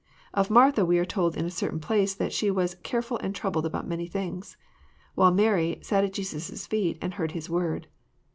Of Martha, we are told in a certain place, that she was <^ carefal and troubled about many things," while Mary ^* sat at Jesus* feet, and heard His word."